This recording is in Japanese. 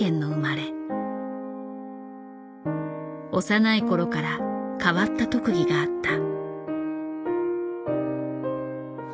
幼い頃から変わった特技があった。